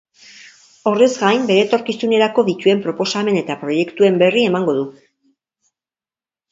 Horrez gain, bere etorkizunerako dituen proposamen eta proiektuen berri emango du.